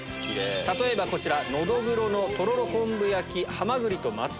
例えばこちら。